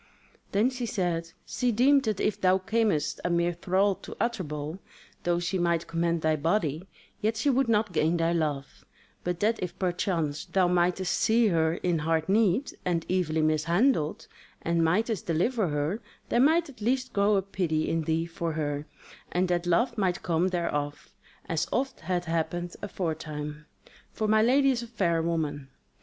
Then she said: "She deemed that if thou camest a mere thrall to Utterbol, though she might command thy body, yet she would not gain thy love; but that if perchance thou mightest see her in hard need, and evilly mishandled, and mightest deliver her, there might at least grow up pity in thee for her, and that love might come thereof, as oft hath happed aforetime; for my lady is a fair woman.